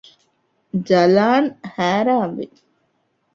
ޖަލާން ހައިރާންވި